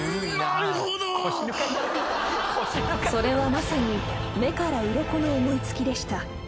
［それはまさに目からうろこの思い付きでした］